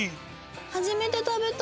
初めて食べた。